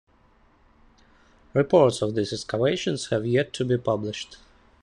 Reports on these excavations have yet to be published.